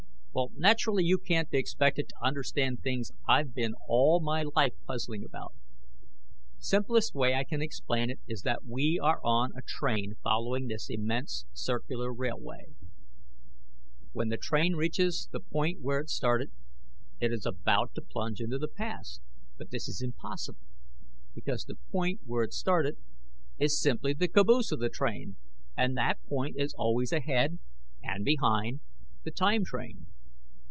"Naturally you can't be expected to understand things I've been all my life puzzling about. Simplest way I can explain it is that we are on a train following this immense circular railway. "When the train reaches the point where it started, it is about to plunge into the past; but this is impossible, because the point where it started is simply the caboose of the train! And that point is always ahead and behind the time train.